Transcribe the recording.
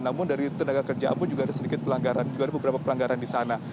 namun dari tenaga kerja pun juga ada sedikit pelanggaran juga ada beberapa pelanggaran di sana